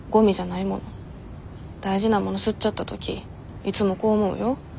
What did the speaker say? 大事なもの吸っちゃった時いつもこう思うよ。